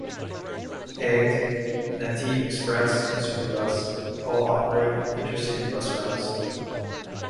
Egged, Nateev Express and Superbus all operate intercity bus routes.